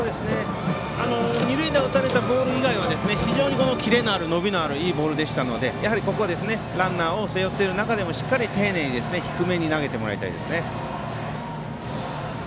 二塁打を打たれたボール以外は非常にキレ、伸びのあるいいボールでしたのでやはりここは、ランナーを背負っている中でもしっかり丁寧に低めに投げてもらいたいですね。